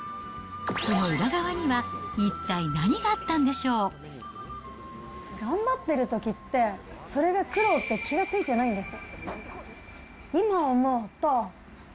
その裏側には、頑張ってるときって、それで苦労って気が付いてないんです。